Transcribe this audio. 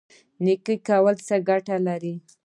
نیکي کول څه ګټه لري؟